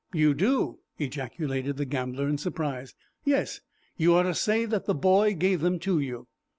"You do!" ejaculated the gambler, in surprise. "Yes. You are to say that the boy gave them to you."